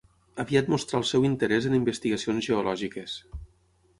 Aviat mostrà el seu interès en investigacions geològiques.